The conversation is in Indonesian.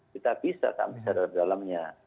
kita bisa sampai sadar dalamnya